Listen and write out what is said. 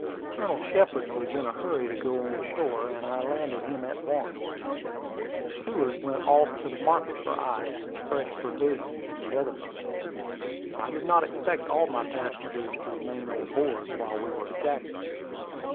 Colonel Shepard was in a hurry to go on shore, and I landed him at once. The steward went off to the market for ice and fresh provisions in the other boat. I did not expect all my passengers to remain on board while we were at Jacksonville.